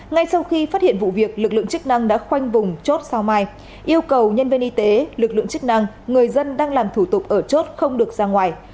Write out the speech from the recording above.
ngay sau khi phát hiện vụ việc lực lượng chức năng đã khoanh vùng chốt sao mai yêu cầu nhân viên y tế lực lượng chức năng người dân đang làm thủ tục ở chốt không được ra ngoài